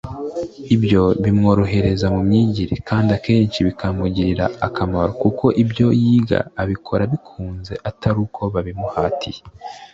Ibyo bimworohereza mu myigire kandi akenshi bikanamugirira akamaro kuko ibyo yiga abikora abikunze atari uko babimuhatiye